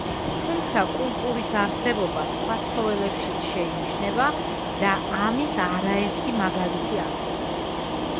თუმცა კულტურის არსებობა სხვა ცხოველებშიც შეინიშნება და ამის არაერთი მაგალითი არსებობს.